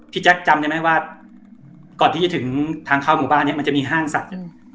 พี่แจ๊กจำได้ไหมว่าก่อนที่จะถึงทางเข้าหมู่บ้านมันจะมีห้างสัตว์